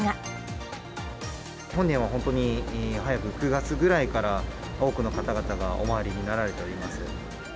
本年は本当に早く９月ぐらいから、多くの方々がお参りになられております。